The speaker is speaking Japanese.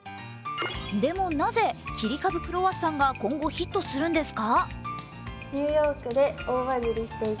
でもなぜ、切り株クロワッサンが今後ヒットするんですか？